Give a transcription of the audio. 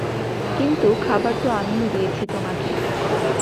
কিন্তু খাবার তো আমিও দিয়েছি তোমাকে।